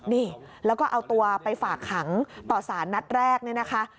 นี่แล้วก็เอาตัวไปฝากขังต่อสารนัดแรกเนี่ยนะคะ